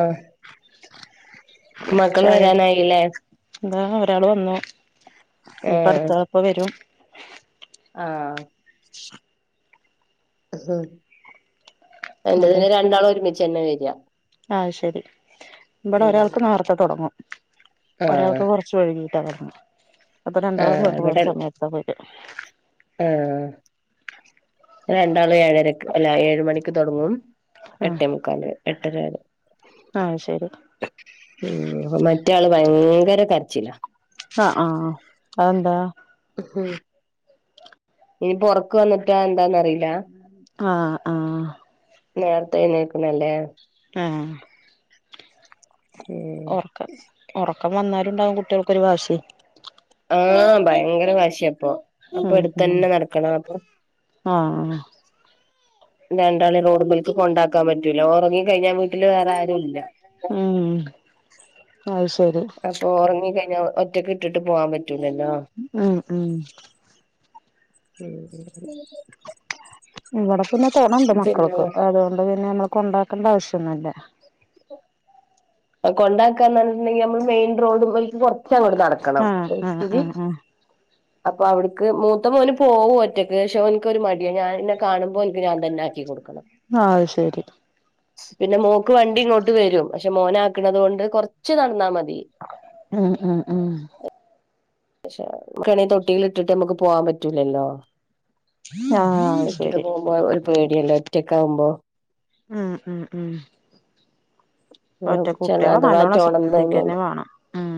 ആഹ ചായ ഇതാഒരാള് വന്നു ഇനിപ്പ അടുത്താളുപ്പ വരും ആഹ [unintelligible] എന്നിട്ട് രണ്ടാളും ഒരുമിച്ചു തന്നെ വരിക ആഹ ശരി ഇവിടെ ഉം ഒരാൾക്ക് നേർത്തെ തുടങ്ങും ആഹ് ഒരാൾക്ക് കുറച്ച് വഴുകി അപ്പൊ രണ്ടാളും വേറെ വേറെ സമയത്ത പോര ആഹ രണ്ടാളും ഏഴര അല്ല ഏഴ മണിക്ക് ക്ക് തൊടങ്ങും ആഹ് എട്ടേ മുക്കാൽ എട്ടര വെരെ ആഹ് ശരി ഉം അ മറ്റാള് ഭയങ്കര കരച്ചില അ ആ അതെന്താ ഉം ഇനിപ്പൊ ഒറക്ക് വന്ന്ട്ടാ ആ ആ നേരത്തെ എഴുന്നേൽക്കുന്നല്ലേ ആ ഉം ഒറക്കം ഒ റക്കം വന്നാലുണ്ടാവും കുട്ട്യാൾക്കൊരു വാശി ആ ഭയങ്കര വാശിപ്പൊ അപ്പൊ എടുത്തെന്നെ നടക്കണം അപ്പൊ ആ രണ്ടാളെ റോഡ്മ്മക്ക് കൊണ്ടാക്കാൻ പറ്റൂല ഒറങ്ങി കഴിഞ്ഞാ വീട്ടില് വേറെ ആരുല്ല ഉം അത് ശെരി [unintelligible] ഒറ്റക്ക്ട്ടിട്ട് പോവാൻ പ ഉം ഉം ഉം ഉം ഇവിടെ പിന്നെ തൊണണ്ട് പിന്നെ മക്കൾക്ക് അതുകൊണ്ട് പിന്നെ നമ്മൾ കൊണ്ടാക്കണ്ട ആവശ്യ ന്നുല്ല കൊണ്ടാക്ക ന്ന് പറഞ്ട്ട്ണ്ടെങ്കിൽ നമ്മള് മെയിൻ റോഡ്മ്മല് കൊറച്ചങ്ങോട്ട് നടക്കണം ആഹ് ആഹ് ഒരുത്തിരി ആഹ് ആഹ് അപ്പൊ അവിടുക്ക് മൂത്ത മോന് പോവും ഒറ്റക്ക് ശെ ഓൻക്കൊരു മടിയാ ഞാൻ ന്നെ കാണുമ്പോ ഓൻക്ക് ഞാൻ തന്നെ ആക്കി കൊടുക്കണം അത് ശെരി പിന്നെ മോക്ക് വണ്ടി ഇങ്ങോട്ട് വെരും പക്ഷെ മോനാക്ക്ണതോണ്ട് കൊറച്ച് നടന്നാ മതി ഉം ഉം ഉം പക്ഷെക്ക്ണെ തൊട്ടിൽ ഇട്ടിട്ട് നമ്മുക്ക് പോവാൻ പറ്റൂലല്ലോ ആഹ് ട്ടിട്ട് ശരി പോകുമ്പോ ഒരു പേടിയല്ലെ ഒറ്റക്കാവുമ്പോ ഉം ഉം ഉം ഒറ്റ ച കുട്ടികളെ നല്ലോണം അഥവാറ്റെ ഒണന്ന് ശ്രദ്ധിക്കന്നെ കയിഞാല് വേണം ഉം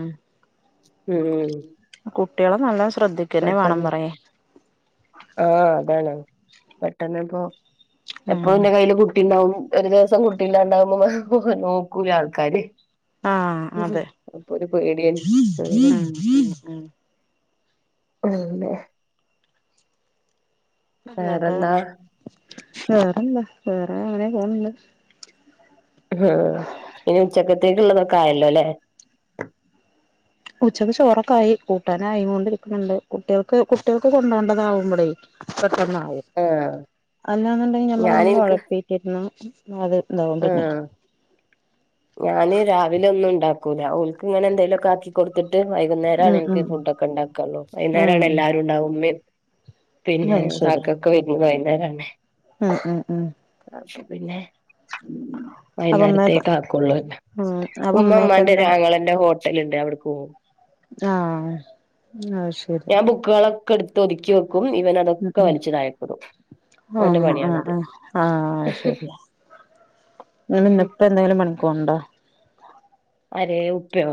കുട്ട്യാളെ നല്ലോം ശ് പെട്ടെന്ന് ആ അതാണ് പെട്ടെന്ന്പ്പോ ഉം എപ്പ ന്റെ കയ്യില് കുട്ടിണ്ടാവും ഒരു ദിവസം കുട്ടില്ലാണ്ടാവുമ്പോ നോക്കൂ ആൾക്കാര് ആഹ് അതെ അപ്പൊ ഒരു പേടിയാണ് ആ ഉം ഉം ഉം [inaudible] ഇന്നിട്ട് വേറെന്താ വേറെന്താ വേറെ അങ്ങനെ പോണണ്ട് ഹ ഇനി ഉച്ചക്കത്തേക്കുള്ളതൊക്കെ ആയല്ലോ ല്ലേ ഉച്ചക്ക് ചോറക്കായി കൂട്ടാനായി ങ്ങൊണ്ടിരിക്ക്ണ് ണ്ട് കുട്ടികൾക്ക് കുട്ടികൾക്ക് കൊണ്ടോണ്ടതാവുമ്പളേ ന്നായി ആഹ് അല്ലാന്ന്ണ്ടെങ്കിൽ ഞാനെനിക്ക് [unintelligible] താവും പിന്നെ ആഹ് ക്കൂല ഇങ്ങനെ എന്തേലൊക്കെ ആക്കികൊടുത്തിട്ട് വൈകുന്നേരാണ് ഉം ഇൻക്ക് ഉം ഫുഡൊക്കെ ഇണ്ടാക്കാൻ നോക്ക ഉം വൈകുന്നരാണ് എല്ലാരുണ്ടാവ മ്മേം പിന്നെ അത് ശരി കാക്കൊക്കെ വരുന്ന വൈന്നേരാണ് ഉം ഉം ഉം അപ്പൊ പിന്നെ അപ്പൊ ഉമ്മയൊക്കെ വൈകുന്നേരത്തേക്കാ ക്കൊള്ളൂ ഉം അപ്പൊ ഉമ്മ ഉമ്മയൊക്കെ എന്താ മ്മാന്റൊരു ആങ്ങളന്റെ ഹോട്ടല്ണ്ട് അവിട്ക്ക് പോവും ആ അത് ശെരി ക്കെ ടുത്ത് ഒതുക്കി വെക്കും ഇവൻ അതൊക്കെ വലിച്ച് തായക്കിടും ആ ആ ആ അത് ശെരിയാ ഇങ്ങളെ പ്പെന്തേലും പണിക്കോണ്ടോ ആര് ഉപ്പയോ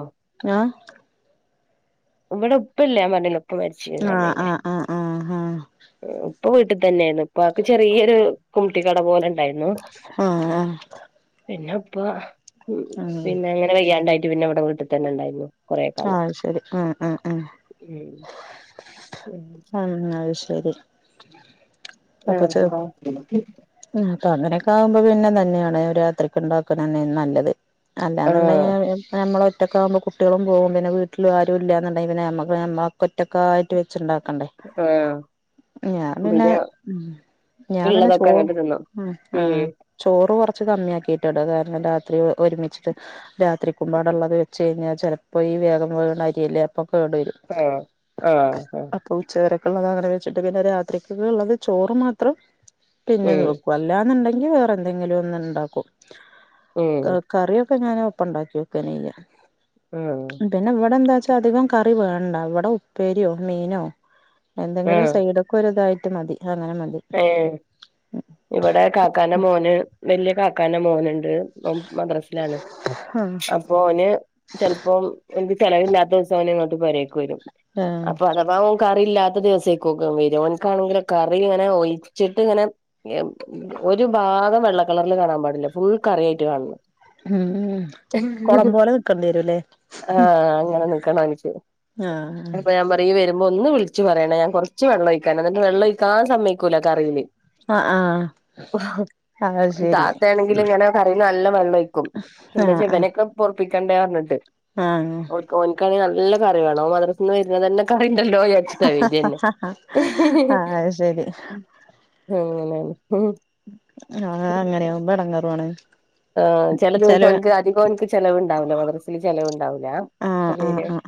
ആ ഇവിടെ ഉപ്പല്ല പറഞ്ഞീലെ ഉപ്പ മരിച്ചന്നേ ആഹ് ആഹ് ആഹ് ആഹ് ഇപ്പൊ വീട്ടിൽ തന്നെയായിരുന്നു ഇപ്പൊ ആക്ക് ചെറിയൊരു കുട്ടി ക്കട പോലെ ണ്ടായി ആഹ് ആഹ് ആഹ് പിന്നെ അപ്പ ഉ ഉം പിന്നെ അങ്ങനെ വെയ്യാണ്ടായിട്ട് പിന്നെ ഇവിടെ വീട്ടിൽ തന്നെ ഉണ്ടായിരുന്നു കൊറെ കാലം ആഹ ശരി ഉം ഉ ഉ ഉം ഉം അത് ശരി അപ്പൊ ചെ ഉം ആഹ അപ്പൊ അങ്ങനെയൊക്കെ ആകുമ്പോ പിന്നെ തന്നെയാണ് രാത്രിക്ക് ഉണ്ടാക്കുന്ന തന്നെ നല്ലത് അല്ലാുണ്ടെ ആ നമ്മള ഒറ്റക്കെ ആവുമ്പോ കുട്ടികള പോകും പിന്നെ വീട്ടിൽും ആരുും ഇല്ലന്നുണ്ടെ പിന്നെമ്മമ്മ ഒറ്റക്കായിട്ട് വെച്ചിണ്ടാക്കും ആഹ ഞാൻ പിന്നെ ഞാൻ പിന്നെ ഉള്ളതൊക്കെ ചോ അങ്ങട്ട് തിന്നും ആ ഉം ചോറ് കുറത്ത് കുറച്ച് കമ്മിയ ആാക്കിയിട്ടട കാരണം രാത്രി ഒരുമിച്ചിട്ട് രാത്രിക്കുമ്പാടുള്ളത് വെച്ച കഴിഞ്ഞാൽ ചെലപ്പോ അപ്പൊ ഈ വേഗം വേണാര്ല്ലേ അപ്പൊ കേ വരും ആ ആ ആ അപ്പൊ ഉച്ചവരൊക്കെത വെച്ചിട്ട് രാത്രിക്ക് ഉള്ളത് ചോർ മാത്രം പിന്നെ ഉം നോക്കും അല്ലനീടകിൽ വേറെയെണ്ടെകിലും ഉണ്ടാക്കും ഉം കറി ഞൻ ഒപ്പം ഉണ്ടാക്കി വക്ക്യ പിന്നെ ഇവിടെന്താ അധികം കറി വേണ്ട അവിടെ ഉപ്പേരിയോ മീനോ ആ ആ എന്തെങ്കിലും സൈഡ ഒക്കെ ഒതായി ഏ ഇവിടെ കാക്കാന മോന് വല്ിയ കാക്കാന മോൻുണ്ട് മദ്രാസിലാണ് ആഹ് അപ്പൊ അവന് ഓൻ ചെിലപ്പോ എ ചലവില്ലാത്ത ദിവസം ഇങ്ങോട്ട് പോരേക്കക്ക് വരും ആഹ് അപ്പൊ അഥവാ കറിയില്ലാത്ത ദിവസെ വരുംാണെറി അങ്ങെ ഒഴിച്ചിട്ട് ഇങ്ങനെ ഒരു ഭാഗം വെള്ള കളറിൽ കാണാൻ പാടില്ല ഫുൾ കറിയായിട്ട് കാണണം ഉം കൊളം പോലെ നിക്കേണ്ടി വരൂല്ലേ ആഹ അങ്ങനെ എല്ല ആഹ് ാങ്ങിച്ചപ്പ ഞാൻ പറയുബോ അ ഒന്ന് വിളിച്ചച്ച് പറയണം ഞാൻ കുറച്ച് വെള്ളംഴിക്കൻ എന്നിട്ട് വെള്ളംഴിക്കാ ആ സയക്കില്ലല്ല കറിയിയില് ആഹ ആഹ് ആഹ് അത് ശരി താത്ത ആണെങ്കിലും ഇങ്ങനെ കറി നല്ല വെള്ളം ഒഴിക്കും എന്താച്ചാ ഇവനൊക്കെ പൊറുപ്പിക്കണ്ടേ ന്നു പറഞ്ഞിട്ട് ആഹ ഓന്ക്കാനെങ്കിൽ നല്ല കറിവേണം മദ്രസയിൽ നിന്ന് വരുന്നത് തന്നെക്കെ കറി ഉണ്ടല്ലോന്ന് വിചാരിച്ചിട്ടാ വരുന്നത് തന്നെ ആഹ് അത് ശരി അങ്ങനെ ണ് ആഹ അങ്ങനെയാകുമ്പോ എടങ്ങാറുവാണ് ആ ചില ദിവസം ഓനിക്ക് അധികം എനിക്ക് ചിലവ്ണ്ടാവില്ലോ മദ്രസിൽ ചിലവ ആഹ് പള്ളിയിൽ ആഹ് ആഹ്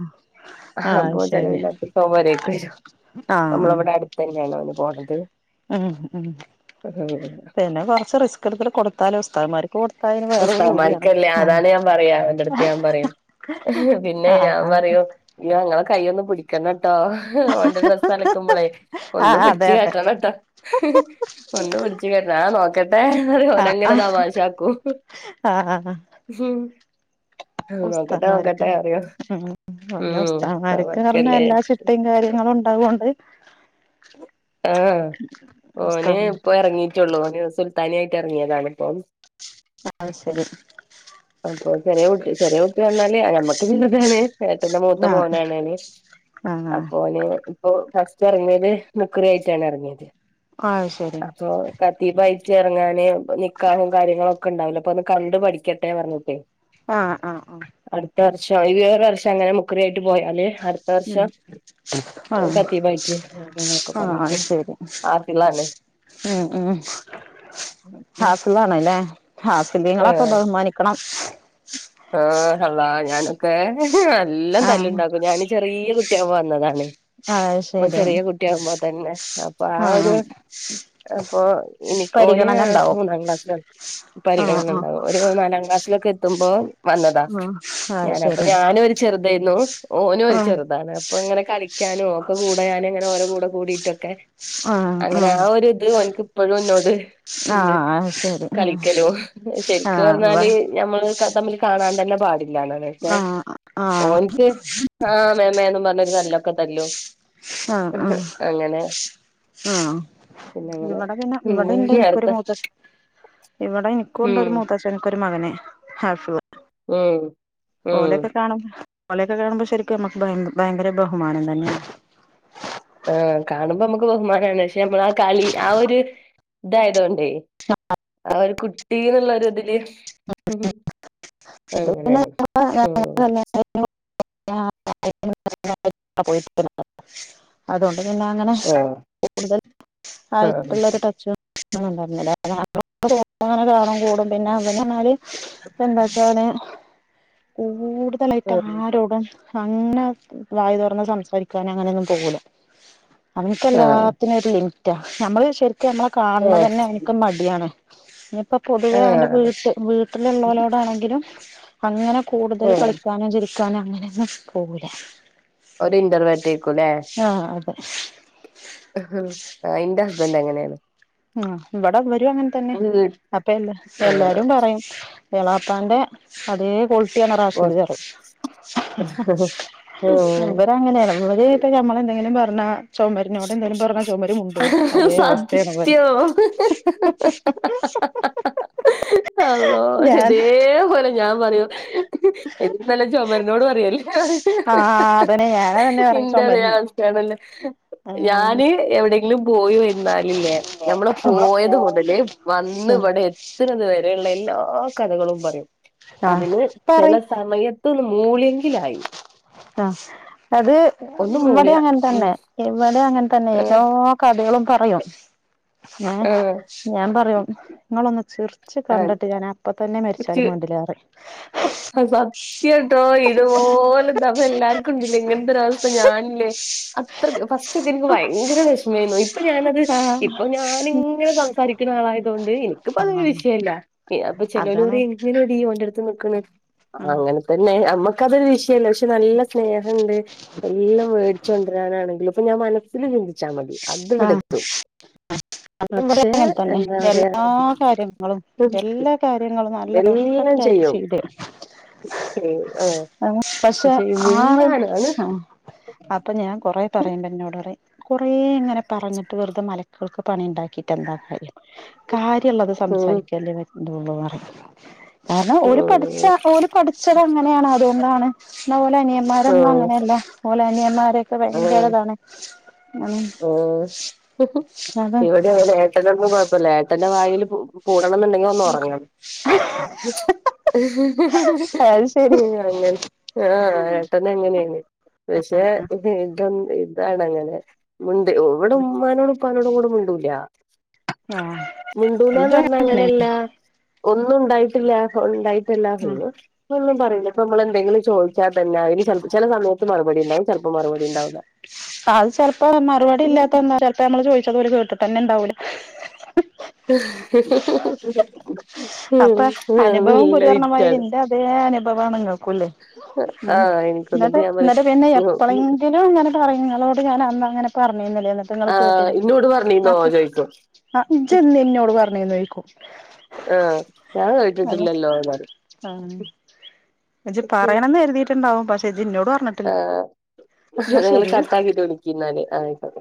ആഹ ആഹ് അത് ശരി ചെൽവില്ലാത്ത ദിവസംക്കെ ഓൻ പെരേക്ക് വരും നമ്മള ആഹ് അവിടെ അടുത്ത തന്നെയാണ് ഓൻ പോണത് ഉം ഉം പിന്നെ കുറച്ച് റിസ്ക് എടുത്തിൽ കൊടുത്താല് ഉസ്താദുമാർക്ക് കൊടു ഉസ്താമാർക്കല്ലേ അതാണ് ഞാൻ പറയാ അവന്റെ അടുത്ത് ഞാൻ പറയും പിന്നെ ഞാൻ ആഹ് പറയും ഞങ്ങ പിടിക്കണം കേട്ടോ ഓന്റെ ഡ്രസ്സ് അലക്കുമ്പോളെ ഒന്ന് ആഹ് അതെ പിടച്ച് അതെ കേട്ടണം കേട്ടോ കൊണ്ട് പിടിച്ചു കെട്ടണം ആ നോക്കട്ടെ അത് ഓനങ്ങനെ തമാശക്കും ആഹ ഉസ്താദ് നോക്കട്ടെ മാർക്ക് നോക്കട്ടെ പറയും ല്ല ഉം ഉസ്താമാർക്ക് പറഞ്ഞ തമാശക്കല്ലേ എല്ലാ ചിട്ടയും കാര്യങ്ങളും ഉണ്ടാവോണ്ട് ആ് ഓന് നമസ്കാരം ഇപ്പ ഇറങ്ങീട്ടുള്ളൂ ഓന് സുൽത്താനയിട്ട ത്തിറങ്ങിയതാണിപ്പം ആ ശരി അപ്പൊ ചെറിയ കുട്ടി വന്നല് ഞമ്മക്ക് വലുതാണ് ഏട്ടന്റെ മൂത്ത ആഹ് മോനാണ് ഓന് ആഹ് അപ്പോ ന് ഇപ്പോ ഫസ്റ്റ് എറങ്ങ്യേത് മുക്രി ആയിട്ടാണ് ഇറങ്ങിയത് ആഹ് ശെരി ഖത്തീബായ്റ്റ് എറങ്ങാന് നിക്കാഹും കാര്യങ്ങളൊക്കെണ്ടാവൂലേ അപ്പൊന്ന് കണ്ടു പഠിക്കട്ടെ പറഞ്ഞിട്ട് ആ ആആഹ് അട്ത്ത വർഷം ഈ ഒര് വർഷം അങ്ങനെ മുക്രി ആയിറ്റ് പോയാല് അട്ത്ത ഉം വർഷം ആഹ് ഖത്തീബായ്റ്റ് അതാ ഒക്കെ പർഞ്ഞിട്ട് ഹാഫിളാണ്. മ് മ് ഹാഫിളാണ്ലേ ഹാഫിളീങ്ങളൊക്കെ ഏഹ് ബഹുമാനിക്കണം. ക്കെ നല്ലോം ആഹ് തല്ല്ണ്ടാക്കും ഞാന് ചെറിയ കുട്ടി ആകുമ്പോ വന്നതാണെയ് അത് ഓൻ ശരി ചെര്യേ കുട്ട്യാകുമ്പോ തന്നെ അപ്പൊ ആ ഒരു ആഹ് അപ്പൊ ഓന് പരിഗണന ഉണ്ടാവും മൂന്നാം ക്ലാസ്സിലാണ്. ആഹ് ആഹ് പരിഗണനണ്ടാവും ഒരു നാലാം ക്ലാസ്സിലൊക്കെ എത്തുമ്പോൾ വന്നതാ ആഹ് അത് ഞാൻ അപ്പൊ ശരി ഞാനും ഒരു ചെർതേര്ന്നു ഓനൊരു ആഹ് ചെർതാണ് അപ്പൊ ഇങ്ങനെ കളി ക്കാനുഓരോ കൂടെ കൂടിയിട്ടൊക്കെ ആഹ് അങ്ങനെ ആഹ് ആ ഒര്ത് ഓൻക്ക് ഇപ്പഴുന്നോട് ണ്ട് ആഹ് അത് ശരി കളിക്കലും ആഹ് ശെരിക്ക് ഇവിടെ പറഞ്ഞാല് ഞമ്മള് തമ്മില് കാ കാണാൻ തന്നെ പാടില്ലാനാണ്. പഷേ ആഹ് ആഹ് ആഹ് ഓൻക്ക് ആ മേമേനും പറഞ്ഞൊരു തല്ലൊക്കെ തല്ലും ആഹ് അങ്ങനെ ആഹ് പിന്നെ അങ്ങനെ ഇവടെ പിന്നെ ഉം ഇവടീണ്ട് ഇൻക്കൊരു നേരത്തെ മൂത്തച്ച ഇവടെ ഇൻ ഉം ക്കൂണ്ടൊര് മൂത്തച്ചൻക്കൊര് മകന് ഹാഫിള് മ് ഓലെക്കെ കാണു ഓലക്കെ കാണുമ്പോ ശെരിക്കും നമ്മക്ക് ഭയങ്ക് ഭയങ്കര ബഹുമാനം തന്നേണ്. ആഹ് കാണുമ്പോ മ്മക്ക് ബഹുമാനാണ് പക്ഷെ ഞമ്മള് ആ കളി ആ ഒര് ഇതായ തെ ആ ഒര് കുട്ടീന്ള്ള ഒര്തില് [unintelligible] [unintelligible] അങ്ങനെ ആഹ് അ പിന്നെ അങ്ങനെ കൂടുതൽ ആഹ് ആയിട്ടുള്ളരു ടച്ച് ണ്ടായിന്നില്ലങ്ങനെ [unintelligible] കാണും കൂടും പിന്നെ അന്ന് പറഞ്ഞാല് എന്താച്ചാല് കൂട്തലായ്റ്റ് ആരോടും അങ്ങനെ വായ് തൊറന്ന് സംസാരിക്കാനങ്ങനെന്നും പോവൂല. ആഹ് അവനിക്കെല്ലാത്തിനും ഒര് ലിമിറ്റാ ഞമ്മള് ശെരിക്കും ഞമ്മളെ കാണ്ണതന്നെ അവൻക്ക് മട്യാണ്. നിപ്പൊ പൊതുവേ അവന്റെ ആഹ് വീട്ട് വീട്ടില്ള്ളോ ലോടാണെങ്കിലും അങ്ങനെ കൂടുതൽ ഉം കളിക്കാനും ചിരിക്കാനും അങ്ങനെന്നും പോകൂല. ഒര് ഇന്റർവേർട്ടേര്ക്കുലെ [inaudible] ഇന്റെ ഹസ്ബൻറ് അങ്ങനേണ് ആഹ് ഇവടെ വരും അങ്ങനെ തന്നെ അപ്പ എല്ലാ ആഹ് എല്ലാരും പറയും എളാപ്പാന്റെ അതേ ക്വാളിറ്റിയാണ് റാഷിദ് പറയും ഇവര് അങ്ങനേണ് ഇവര് ഇപ്പേഞമ്മള എന്തെങ്കിലും പറഞ്ഞാ- പറഞ്ഞ ചൊമരിനോട് എന്തേലും പറഞ്ഞാ ചൊമര് മുണ്ടോ അതേ അവസ്തേണ്. സത്യം [inaudible] ഞാൻ അള്ളോതേ പോലെ ഞാം പറയും [inaudible] എന്താല്ലേ ചുമരനോട് പറയല്ലേ [inaudible] ആഹ് അതന്നെ ഞാനതന്നെ പറയാ ഇന്റതേ ചുമരിന്റെ അവസ്തേണ്. ആഹ് ഞാന് എവിടെ ലുംപോയി വെര്ന്നാലില്ലേ ഞമ്മള് പോയത് മുതല് വന്ന് ഉം ഇവടെ എത്ത്ണത് വരെ ള്ള എല്ലാ കഥകളും പറയും ആഹ് അതിന് ചെല പറയ് സമയത്തൊന്ന് മൂള്യേങ്കിലായി ആഹ് അത് ഇവടെ ഉം അങ്ങനതന്നെ ഇവടെ അങ്ങനതന്നെ എല്ലാ ഏഹ് കഥകളും പറയും ഏ ഏഹ് ഞാൻ പറയും ങ്ങളൊന്ന് ചിർ ച്ച് ഏഹ് കണ്ടിട്ട് ഞാൻ അപ്പ തന്നെ മരിച്ചാലും മാണ്ടില്ലാറയും സത്യട്ടോ ഇതുപോലെതാ എല്ലാവർക്കുംണ്ട്ല്ലേ ഇങ്ങനത്തെ ഒരവസ്ഥ ഞാനില്ലേ അത്രക്ക് ഫസ്റ്റ്ക്ക എനിക്ക് ഭയങ്കര വിഷമേയ്നു ഇ ഇപ്പൊ ഞാനത് ആഹ് ഇപ്പൊ ഞാനിങ്ങനെ സംസാരിക്കുന്ന ആളായതുകൊണ്ട് എനിക്കിപ്പോ അതൊരു ആഹ് വിഷയല്ല അപ്പൊ ചെലോലു അതാണ് പറയിംഎങ്ങനെടി ഓന്റെടുത്ത് നിക്ക്ണ് ആഹ് അങ്ങനെ തന്നെ നമ്മക്കതൊരു വിഷയല്ല ൻക്ക്നല്ല സ്നേഹണ്ട് എല്ലാം മേടിച്ചൊണ്ടരാനാണെങ്കിലും ഇപ്പൊ ഞാൻ മനസ്സിൽ ചിന്തിച്ചാ മതി അത് ഇവിടെ എത്തും അ ഇവിടെ പക്ഷെ അങ്ങനെ തന്നെ എന്താ പറയാ എല്ലാ കാര്യങ്ങളും എല്ലാ കാര്യങ്ങളും നല്ല എല്ലാം പെർഫെക്റ്റ് ആയിട്ട് ചെയ്യും ചെയ്തരും ആഹ് പക്ഷെ ഈ ആ ഒരു മിണ്ടാനാണ് സം അപ്പൊ ഞാൻ കൊറെ പറയണ്ട ഇന്നോട് കുറെ ഇങ്ങനെ പറഞ്ഞിട്ട് വെറുതെ മലക്കൾക്ക് പണി ഉണ്ടാക്ക കിട്ട എന്താ കാര്യം കാര്യള്ളത് ഉം സംസാരിക്കല്ലേ വെണ്ടള്ളൂ കാരണം ഓര് പഠിച്ച ഉം ഓൽപഠിച്ചത് അങ്ങനെയാണ് അതുകൊണ്ടാണ് എന്ന ഓലെ അനിയന്മാരും ഉം അങ്ങനെയല്ല ഓലാനിയന്മാരൊക്കെ ഉം ഭയങ്കരരതാണ് ഉ അത ഇൻക്ക് ഇവടെ ഏട്ടനൊന്നും കുഴപ്പമില്ല ഏന്റെ വായിൽ പൂടണം എന്നുണ്ടെങ്കിൽ ഒന്ന് ഉറങ്ങണം [inaudible] [inaudible] അത് ശരി [unintelligible] ആ ഏട്ടനങ്ങനെയാ പക്ഷെ [unintelligible] ഇതാണ് അങ്ങനെ ഉണ്ട് ഇവ്വ്ടെ ഉമ്മാനോടുഉപ്പാനോടും കൂടെ മുണ്ടൂല ആഹ് മുണ്ടൂലാന്ന് ഇത് പറഞ്ഞാ അങ്ങനെ അങ്ങനെയല്ല ഒന്ന മുണ്ടായിട്ടില്ല ണ്ടായിട്ടല്ല ഉം ട്ടൊന്നും പറയൂല നമ്മള എന്തെങ്കിലും ചോയ്ച്ചാ [unintelligible] ചില സമയത്ത് മറുപടി ഉണ്ടാവും ചിലപ്പോ മറുപടി ഉണ്ടാവൂല അത് ചെലപ്പോ മറുപടി ഇല്ലാത്തന്താ ചെലപ്പോ നമ്മള് ചോയ്ച്ചത് ഓൽ കേട്ടിട്ടന്നെ ഇണ്ടാവൂല [inaudible] ഉം അപ്പൊ ആ, അനുഭവം നല്ല ഗുരു പറഞ്ഞാതിരി വിറ്റാണ് ഇന്റെ അതേ അനുഭവാണല്ലോ കുല്ല് മ് ആഹ് എനിക്കൊന്നിട്ട് എന്നിട്ട് ഞാൻ പറയും എന്നിട്ട് പിന്നെ എപ്പോളെങ്കിലും അങ്ങനെ പറയുന്ന ോെ പറഞ്ഞ ങ്ങ ആഹ് ഇന്നോട് പറഞ്ഞീന്നോ കേട്ട ചോദിക്കും അ അ എന്നോട് പറഞ്ഞന്ന്ോക്കോ ആഹ ഞാൻ അത് കേട്ടിട്ടില്ലല്ലോ അാല എ പറയണന്ന് എരുതിട്ടുണ്ടാവും പക്ഷെ ഇജ്ജ് ഇന്നോട് പറഞ്ഞിട്ടില്ല ആ എന്നാ നിങ്ങള്ൾ ശരി കർത്ത ആാക്കിട്ട് വിളിക്കന്നേ ആയിട്ട